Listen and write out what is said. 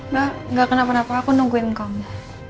mbak gak kenapa kenapa aku nungguin kamu